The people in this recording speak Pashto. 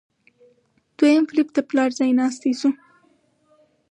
دویم فلیپ د پلار ځایناستی شو.